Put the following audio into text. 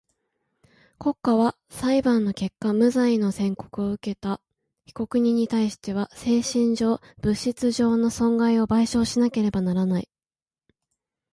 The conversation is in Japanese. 国家は裁判の結果無罪の宣告をうけた被告人にたいしては精神上、物質上の損害を賠償しなければならない。